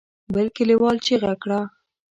بل کليوال چيغه کړه.